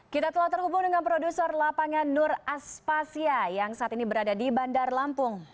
kita telah terhubung dengan produser lapangan nur aspasya yang saat ini berada di bandar lampung